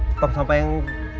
eh tong sampah yang